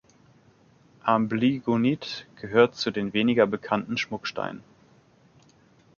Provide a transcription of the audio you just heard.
Amblygonit gehört zu den weniger bekannten Schmucksteinen.